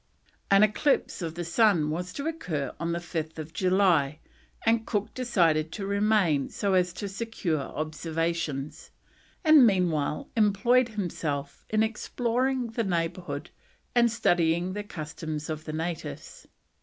An eclipse of the sun was to occur on 5th July, and Cook decided to remain so as to secure observations, and meanwhile employed himself in exploring the neighbourhood and studying the customs of the natives.